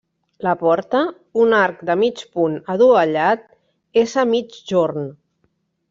La porta, un arc de mig punt adovellat, és a migjorn.